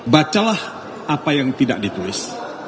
bacalah apa yang tidak ditulis